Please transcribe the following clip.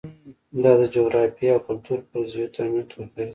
دا د جغرافیې او کلتور فرضیو ترمنځ توپیر دی.